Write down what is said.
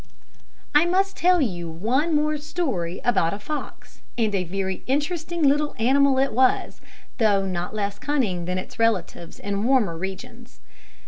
I must tell you one more story about a fox, and a very interesting little animal it was, though not less cunning than its relatives in warmer regions.